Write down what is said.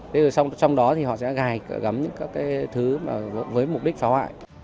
trong đó họ sẽ gài gắm những thứ với mục đích xóa hoại